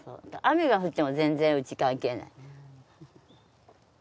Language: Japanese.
雨が降っても全然うち関係ない。